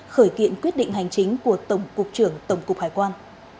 khởi kiện quyết định hành chính của tổng cục trưởng tổng cục hải quan